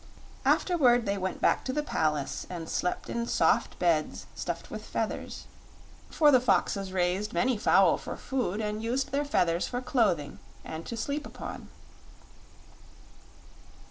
Afterward they went back to the palace and slept in soft beds stuffed with feathers; for the foxes raised many fowl for food, and used their feathers for clothing and to sleep upon.